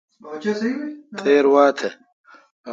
تھیر وا تھ۔